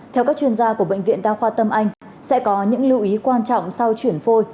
theo các chuyên gia của bệnh viện đa khoa tâm anh sẽ có những lưu ý quan trọng sau chuyển phôi